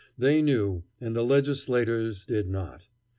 They knew, and the legislators did not.